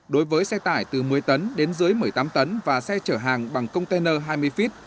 đối với xe tải từ một mươi tấn đến dưới một mươi tám tấn và xe chở hàng bằng container hai mươi feet